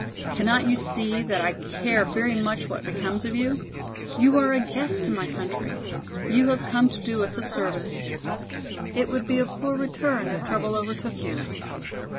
Cannot you see that I care very much what becomes of you? You are a guest in my country; you have come to do us a service. It would be a poor return if trouble overtook you."